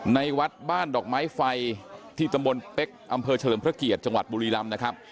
ในวัดบ้านดอกไม้ไฟที่ตำบลเป๊กอำเภอเฉลิมพระเกียรติจังหวัดบุรีรำนะครับ